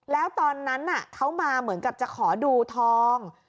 แล้วตอนนั้นเขามาเหมือนกับจะขอดูทอง